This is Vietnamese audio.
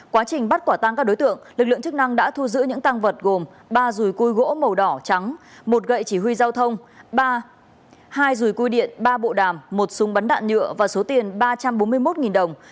quá trình bắt quả tăng các đối tượng lực lượng chức năng đã thu giữ những tăng vật gồm ba rùi cui gỗ màu đỏ trắng một gậy chỉ huy giao thông hai rùi cui điện ba bộ đàm một súng bắn đạn nhựa và số tiền ba trăm bốn mươi một đồng